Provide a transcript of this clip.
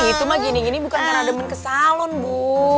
itu mah gini gini bukan karena demen kesalon bu